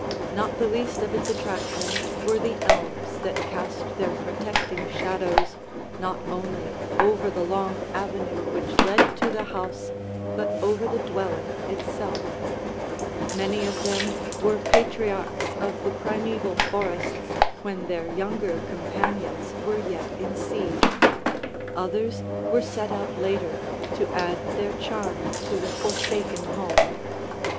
Not the least of its attractions were the elms that cast their protecting shadows not only over the long avenue which led to the house but over the dwelling itself; many of them were patriarchs of the primeval forests when their younger companions were yet in seed; others were set out later, to add their charm to the forsaken home.